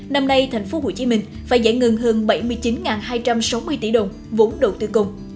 năm nay thành phố hồ chí minh phải giải ngừng hơn bảy mươi chín hai trăm sáu mươi tỷ đồng vốn đầu tư công